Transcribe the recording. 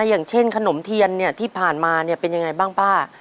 อย่างเช่นขนมเทียนเนี่ยที่ผ่านมาเนี่ยเป็นยังไงบ้างป้า